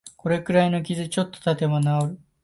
これくらいの傷、ちょっとたてば治る